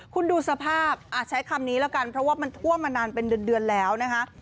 คุณดูสภาพใช้คำนี้แล้วกันเพราะว่ามันท่วมมานานเป็นเดือนแล้วนะคะ